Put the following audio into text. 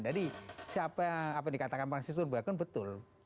jadi siapa yang dikatakan pengasih sunbuakan betul